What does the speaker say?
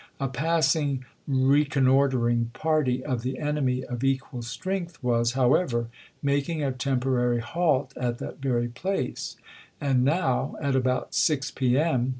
A passing reconnoitering party of the enemy of equal strength was, however, making a temporary halt at that very place ; and now, at about 6 p. m.